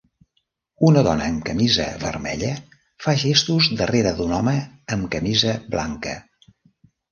Una dona amb camisa vermella fa gestos darrere d'un home amb camisa blanca.